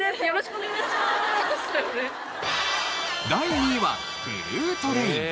第２位はブルートレイン。